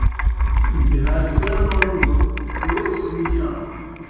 بِہَاج گر منُوڙوْ دُرو سِیݩجانوْ۔